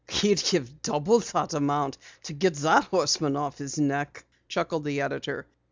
"He'd give double the amount to get that Horseman off his neck!" chuckled the editor.